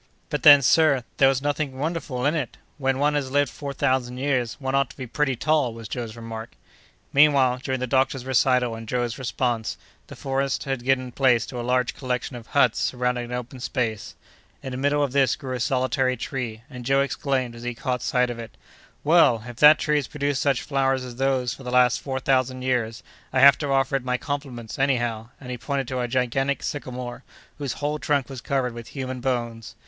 "But then, sir, there was nothing wonderful in it! When one has lived four thousand years, one ought to be pretty tall!" was Joe's remark. Meanwhile, during the doctor's recital and Joe's response, the forest had given place to a large collection of huts surrounding an open space. In the middle of this grew a solitary tree, and Joe exclaimed, as he caught sight of it: "Well! if that tree has produced such flowers as those, for the last four thousand years, I have to offer it my compliments, anyhow," and he pointed to a gigantic sycamore, whose whole trunk was covered with human bones.